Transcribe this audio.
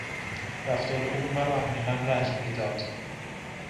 رفتار او مرا عمیقا رنج میداد.